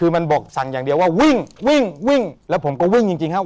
คือมันบอกสั่งอย่างเดียวว่าวิ่งวิ่งวิ่งแล้วผมก็วิ่งจริงครับ